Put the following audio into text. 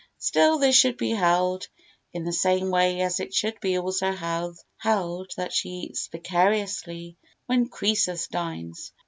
Still this should be held in the same way as it should be also held that she eats vicariously when Croesus dines.